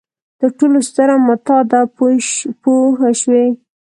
تر ټولو ستره متاع ده پوه شوې!.